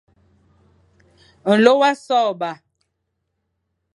Nlô wa sôrba,